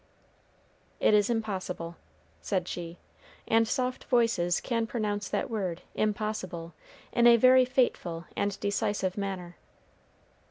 "It is impossible," said she; and soft voices can pronounce that word, impossible, in a very fateful and decisive manner.